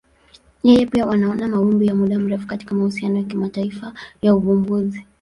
Yeye pia wanaona mawimbi ya muda mrefu katika mahusiano ya kimataifa ya uvumbuzi.